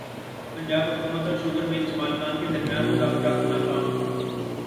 پنجاب حکومت اور sugar mills مالکان کے درمیان مذاکرات ناکام